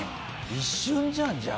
一瞬じゃんじゃあ。